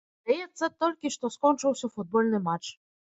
Здаецца, толькі што скончыўся футбольны матч.